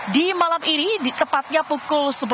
di malam ini tepatnya pukul sebelas